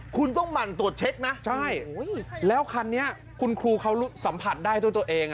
คุณต้องหมั่นตรวจเช็คนะใช่แล้วคันนี้คุณครูเขาสัมผัสได้ด้วยตัวเอง